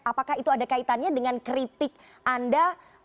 apakah itu ada kaitannya dengan kritik anda